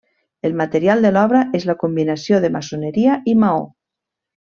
El material de l'obra és la combinació de maçoneria i maó.